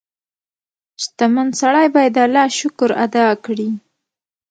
• شتمن سړی باید د الله شکر ادا کړي.